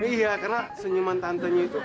iya karena senyuman tantenya itu